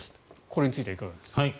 これについてはいかがですか？